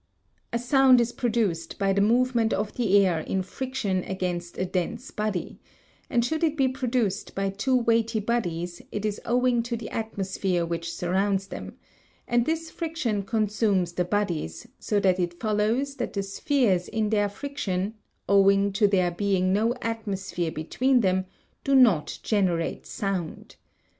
A sound is produced by the movement of the air in friction against a dense body, and should it be produced by two weighty bodies it is owing to the atmosphere which surrounds them, and this friction consumes the bodies, so that it follows that the spheres in their friction, owing to there being no atmosphere between them, do not generate sound.